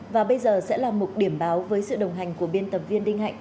và bây giờ sẽ là một điểm báo với sự đồng hành của biên tập viên đinh hạnh